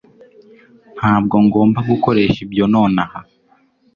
Ntabwo ngomba gukoresha ibyo nonaha